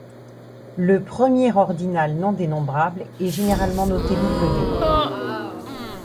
Le premier ordinal non dénombrable est généralement noté ω.